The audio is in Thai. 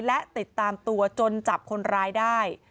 และติดตามตัวจนจับคนร้ายได้